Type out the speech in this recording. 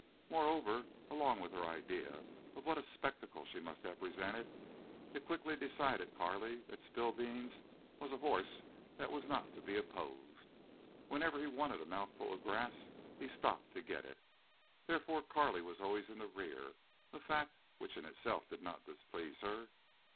Moreover, along with her idea of what a spectacle she must have presented, it quickly decided Carley that Spillbeans was a horse that was not to be opposed. Whenever he wanted a mouthful of grass he stopped to get it. Therefore Carley was always in the rear, a fact which in itself did not displease her.